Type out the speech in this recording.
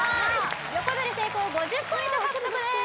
横取り成功５０ポイント獲得です